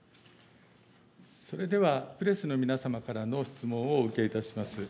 それでは、プレスの皆様からの質問をお受けいたします。